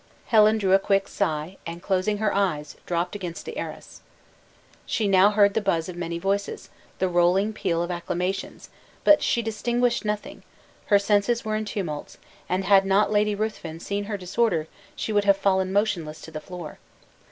Helen drew a quick sigh, and closing her eyes, dropped against the arras. She now heard the buzz of many voices, the rolling peal of acclamations, but she distinguished nothing; her senses were in tumults; and had not Lady Ruthven seen her disorder, she would have fallen motionless to the floor.